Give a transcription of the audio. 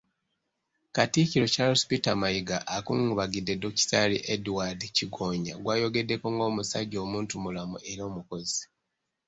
Katikkiro Charles Peter Mayiga, akungubagidde Dokitaali Edward Kigonya gw'ayogeddeko ng'omusajja omuntumulamu era omukozi.